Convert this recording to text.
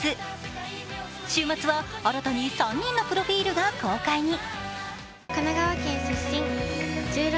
週末は新たに３人のプロフィールが公開に。